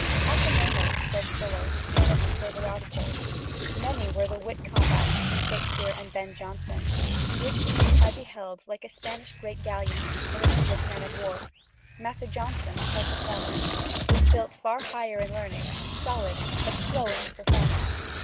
"At the Mermaid," says Fuller, one of these favoured auditors, "many were the wit combats between Shakespeare and Ben Jonson, which two I beheld like a Spanish great galleon and English man of war. Master Jonson (like the former) was built far higher in learning, solid, but slow in his performance.